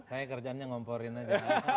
saya kerjaannya ngomporin aja